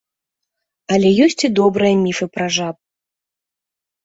Але ёсць і добрыя міфы пра жаб.